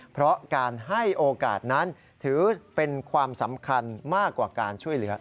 เพราะการให้โอกาสนั้นถือเป็นความสำคัญมากกว่าการช่วยเหลือ